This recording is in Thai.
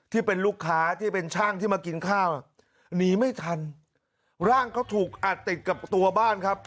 ที่เป็นลูกค้าที่เป็นช่างที่มากินข้าวหนีไม่ทันร่างเขาถูกอัดติดกับตัวบ้านครับ